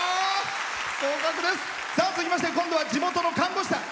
続きまして今度は地元の看護師さん。